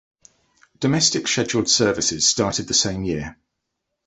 Domestic scheduled services started the same year.